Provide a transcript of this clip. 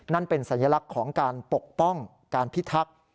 นั่นเป็นสัญลักษณ์ของการปกป้องการพิทักษ์